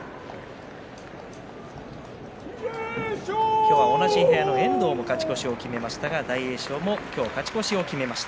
今日は同じ部屋の遠藤も勝ち越しを決めましたが大栄翔も勝ち越しを決めました。